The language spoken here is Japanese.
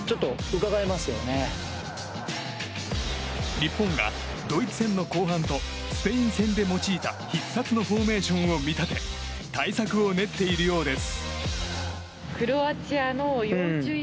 日本が、ドイツ戦の後半とスペイン戦で用いた必殺のフォーメーションを見立て対策を練っているようです。